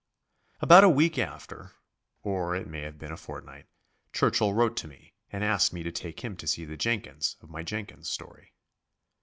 About a week after or it may have been a fortnight Churchill wrote to me and asked me to take him to see the Jenkins of my Jenkins story.